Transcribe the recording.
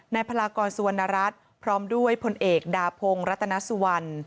ไหนภารากรสวนรัฐพร้อมด้วยพลเอกดาพงค์รัฐนสุวรรณ